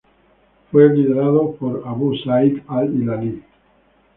Fueron liderados por Abu Zayd al-Hilali.